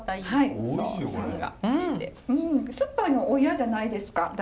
酸っぱいのお嫌じゃないですか？